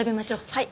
はい。